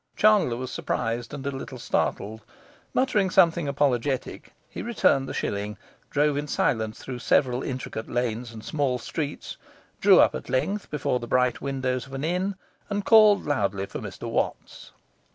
Chandler was surprised and a little startled; muttering something apologetic, he returned the shilling, drove in silence through several intricate lanes and small streets, drew up at length before the bright windows of an inn, and called loudly for Mr Watts.